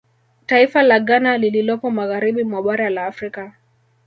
Taifa la Ghana lililopo magharibi mwa bara la Afrika